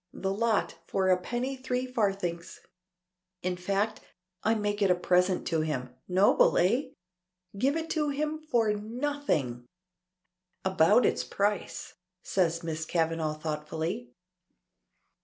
The lot for a penny three farthings. In fact, I make it a present to him. Noble, eh? Give it to him for nothing!" "About its price," says Miss Kavanagh thoughtfully.